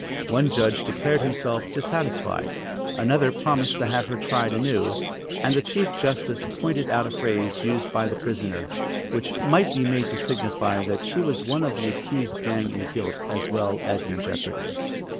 One judge declared himself dissatisfied; another promised to have her tried anew; and the chief justice pointed out a phrase used by the prisoner, which might be made to signify that she was one of the accused gang in guilt, as well as in jeopardy.